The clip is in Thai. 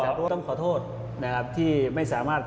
ก็ต้องขอโทษนะครับที่ไม่สามารถ